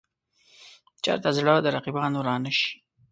چېرته زړه د رقیبانو را نه شي.